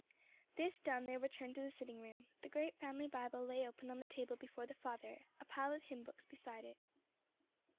This done they returned to the sitting room. The great family Bible lay open on the table before the father, a pile of hymn books beside it.